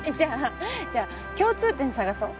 じゃあ共通点探そう。